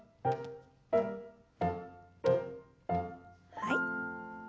はい。